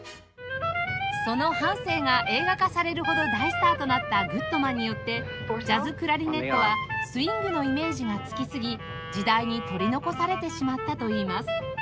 その半生が映画化されるほど大スターとなったグッドマンによってジャズクラリネットはスウィングのイメージがつきすぎ時代に取り残されてしまったといいます